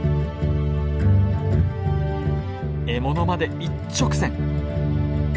獲物まで一直線。